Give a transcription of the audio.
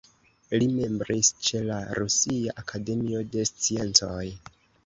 Li membris ĉe la Rusia Akademio de Sciencoj.